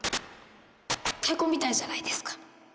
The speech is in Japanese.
太鼓みたいじゃないですか！